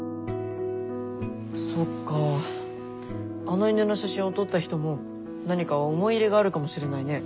あの犬の写真を撮った人も何か思い入れがあるかもしれないね。